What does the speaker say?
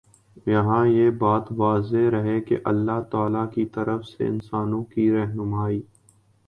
یہاں یہ بات واضح رہے کہ اللہ تعالیٰ کی طرف سے انسانوں کی رہنمائی